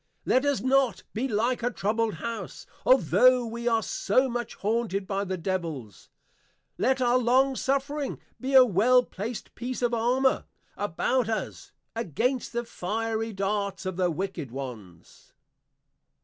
Let us not be like a Troubled House, altho' we are so much haunted by the Devils. Let our Long suffering be a well placed piece of Armour, about us, against the Fiery Darts of the wicked ones.